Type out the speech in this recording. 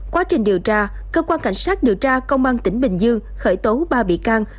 quá trình điều tra cơ quan cảnh sát điều tra công an tỉnh bình dương khởi tố ba bị can